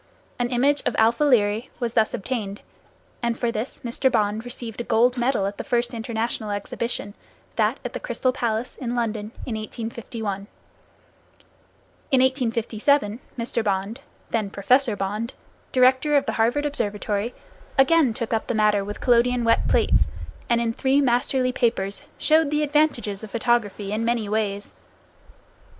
An image of [Greek: alpha] Lyræ was thus obtained, and for this Mr. Bond received a gold medal at the first international exhibition, that at the Crystal Palace, in London, in 1851. In 1857, Mr. Bond, then Professor Bond, director of the Harvard Observatory, again took up the matter with collodion wet plates, and in three masterly papers showed the advantages of photography in many ways.